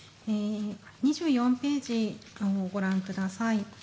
２４ページをご覧ください。